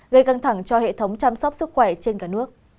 gây căng thẳng cho hệ thống chăm sóc sức khỏe trên cả nước